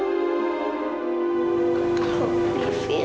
apakah pemerintahan ini ialah membuat perempuan similarities